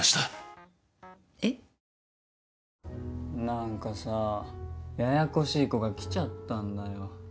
何かさややこしい子が来ちゃったんだよ。